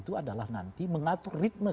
itu adalah nanti mengatur ritme